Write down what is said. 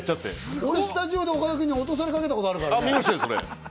俺、スタジオで岡田君に落とされかけたからね。